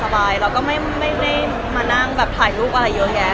แล้วไม่ได้มานั่งถ่ายรูปอะไรเยอะแยะอะค่ะ